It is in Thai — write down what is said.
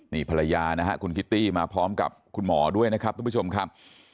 นี่ภรรยานะฮะคุณคิตตี้มาพร้อมกับคุณหมอด้วยนะครับทุกผู้ชมครับ